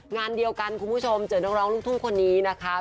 งานเดียวกันคุณผู้ชมเจอนักร้องลูกทุ่งคนนี้นะคะ